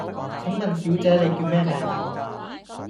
請問小姐你叫咩名呀?